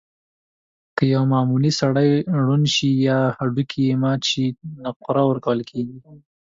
که یو معمولي سړی ړوند شي یا هډوکی یې مات شي، نقره ورکول کېږي.